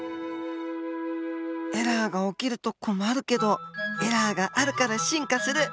エラーが起きると困るけどエラーがあるから進化する。